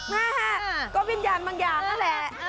นะฮะก็วิญญาณบางอย่างนั่นแหละ